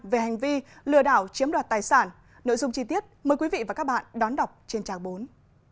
về hành vi lừa đảo chiếm đoạt tài sản nội dung chi tiết mời quý vị và các bạn đón đọc trên trang bốn